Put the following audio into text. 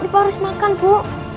ibu harus makan bu